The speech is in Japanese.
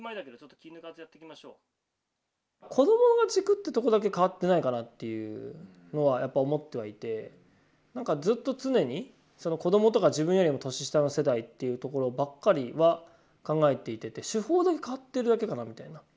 子どもが軸ってとこだけ変わってないかなっていうのはやっぱ思ってはいてなんかずっと常に子どもとか自分よりも年下の世代っていうところばっかりは考えていてて手法だけ変わってるだけかなみたいな。